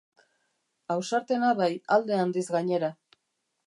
Ausartena bai, alde handiz gainera.